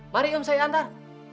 mari om saya antar